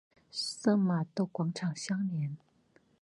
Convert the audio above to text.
圣玛窦广场相连。